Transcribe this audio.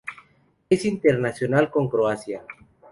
Es internacional con Croacia.